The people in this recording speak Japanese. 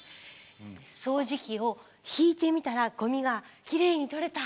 掃除機を引いてみたらゴミがきれいに取れた。